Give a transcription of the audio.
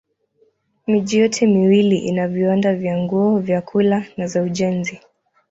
Miji yote miwili ina viwanda vya nguo, vyakula na za ujenzi.